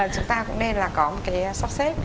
chúng ta cũng nên là có một cái sắp xếp